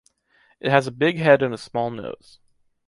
It has a big head and a small nose.